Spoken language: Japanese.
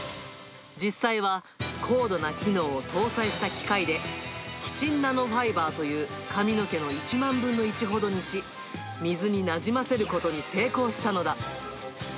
実際は、高度な機能を搭載した機械で、キチンナノファイバーという髪の毛の１万分の１ほどにし、水になじませることに成功したのだ。